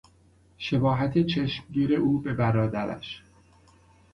شباهت چشمگیر او به برادرش